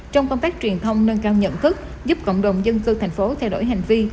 trong công tác truyền thông nâng cao nhận thức giúp cộng đồng dân cư thành phố thay đổi hành vi